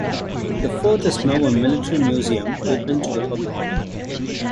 The fort is now a military museum open to the public.